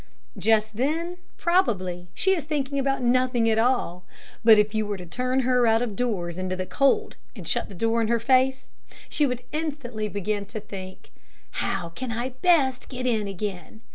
Just then, probably, she is thinking about nothing at all; but if you were to turn her out of doors into the cold, and shut the door in her face, she would instantly begin to think, "How can I best get in again?"